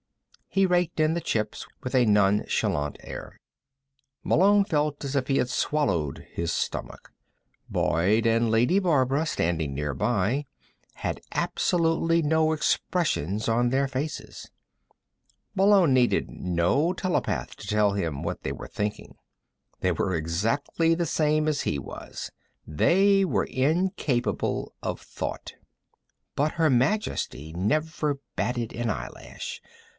He raked in the chips with a nonchalant air. Malone felt as if he had swallowed his stomach. Boyd and Lady Barbara, standing nearby, had absolutely no expressions on their faces. Malone needed no telepath to tell him what they were thinking. They were exactly the same as he was. They were incapable of thought. But Her Majesty never batted an eyelash.